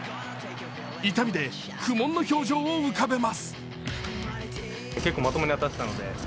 痛みで苦悶の表情を浮かべます。